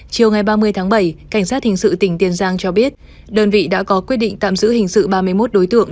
chiều ngày ba mươi tháng bảy cảnh sát hình sự tỉnh tiền giang cho biết đơn vị đã có quyết định tạm giữ hình sự ba mươi một đối tượng